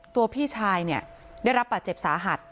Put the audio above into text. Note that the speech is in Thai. พี่ชายเนี่ยได้รับบาดเจ็บสาหัส